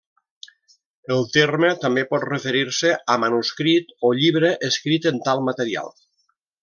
El terme també pot referir a manuscrit o llibre escrit en tal material.